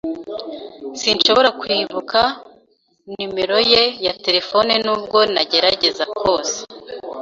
Sinshobora kwibuka numero ye ya terefone nubwo nagerageza kose.